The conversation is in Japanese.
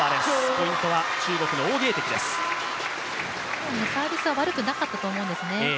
今のもサービスは悪くなかったと思うんですね。